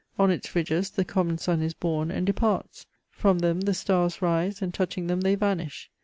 On its ridges the common sun is born and departs. From them the stars rise, and touching them they vanish.